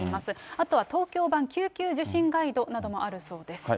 あとは東京版救急受診ガイドなどもあるそうです。